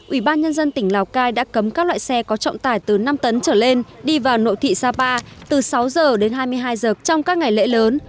ủy ban nhân dân tỉnh lào cai đã cấm các loại xe có trọng tải từ năm tấn trở lên đi vào nội thị sapa từ sáu giờ đến hai mươi hai giờ trong các ngày lễ lớn